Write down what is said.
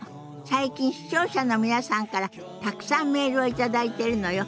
最近視聴者の皆さんからたくさんメールを頂いてるのよ。